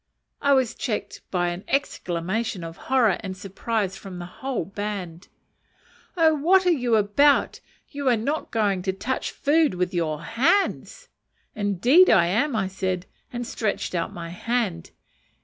I was checked by an exclamation of horror and surprise from the whole band "Oh, what are you about? You are not going to touch food with your hands!" "Indeed, but I am," said I, and stretched out my hand.